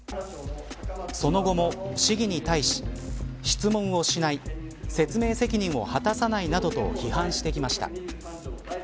その後も市議に対し質問をしない説明責任を果たさないなどと批判してきました。